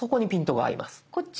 こっち？